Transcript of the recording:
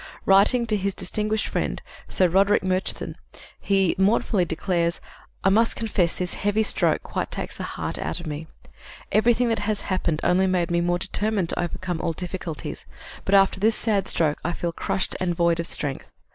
Writing to his distinguished friend, Sir Roderick Murchison, he mournfully declares: "I must confess this heavy stroke quite takes the heart out of me. Everything that has happened only made me more determined to overcome all difficulties; but after this sad stroke I feel crushed and void of strength....